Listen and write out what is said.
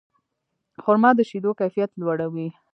خرما د شیدو کیفیت لوړوي.